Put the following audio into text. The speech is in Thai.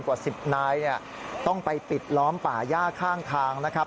กว่า๑๐นายต้องไปปิดล้อมป่าย่าข้างทางนะครับ